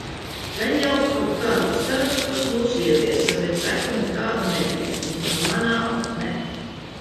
Gan jau kaut kādos sarakstos mūs ieviesa, bet seku nekādu nebija. Vismaz manāmu nē.